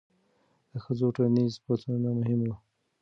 د ښځو ټولنیز پاڅونونه مهم وو.